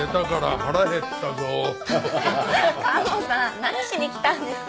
何しに来たんですか？